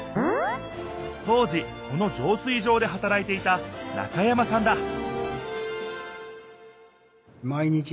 当時このじょう水場ではたらいていた中山さんだ